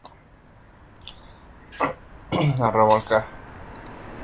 Ocupó la comandancia del sureste de su país.